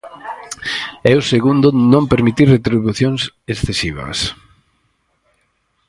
E o segundo, non permitir retribucións excesivas.